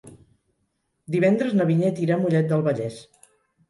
Divendres na Vinyet irà a Mollet del Vallès.